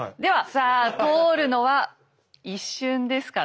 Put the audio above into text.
さあ通るのは一瞬ですからね。